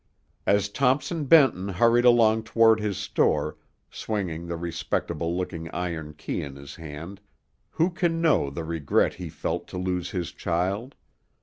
As Thompson Benton hurried along toward his store, swinging the respectable looking iron key in his hand, who can know the regret he felt to lose his child?